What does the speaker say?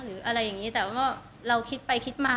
หรืออะไรอย่างนี้แต่ว่าเราคิดไปคิดมา